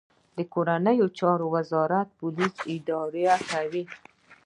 کورنیو چارو وزارت پولیس اداره کوي